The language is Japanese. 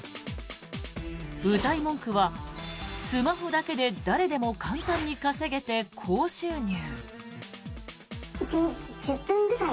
うたい文句はスマホだけで誰でも簡単に稼げて高収入。